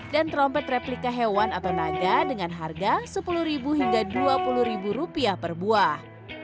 dan trompet replika hewan atau naga dengan harga sepuluh hingga dua puluh rupiah per buah